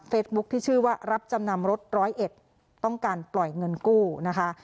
ที่ชื่อว่ารับจำนำรถร้อยเอ็ดต้องการปล่อยเงินกู้นะคะ